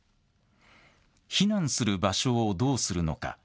避難する場所をどうするのか。